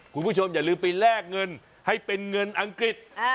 คุณผู้ชมอย่าลืมไปแลกเงินให้เป็นเงินอังกฤษ